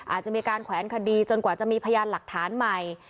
อาจจะมีการแขวนคดีจนกว่าจะมีพยานหลักฐานใหม่